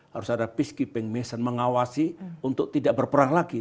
harus ada peacekeeping mession mengawasi untuk tidak berperang lagi